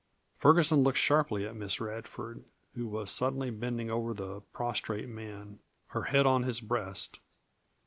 Ferguson looked sharply at Miss Radford, who was suddenly bending over the prostrate man, her head on his breast.